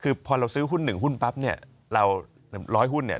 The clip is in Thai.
คือพอเราซื้อหุ้นหนึ่งหุ้นปั๊บเนี่ยเราร้อยหุ้นเนี่ย